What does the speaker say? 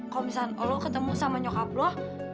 kalau misalnya lo ketemu sama nyokap lo